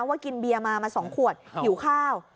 ว่ากินเบียร์มามา๒ขวดหิวข้าว